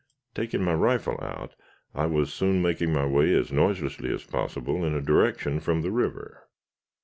Taking my rifle out, I was soon making my way as noiselessly as possible, in a direction from the river.